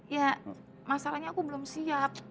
ya masalahnya aku belum siap